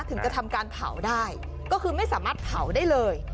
ถึงจะทำการเผาได้ก็คือไม่สามารถเผาได้เลย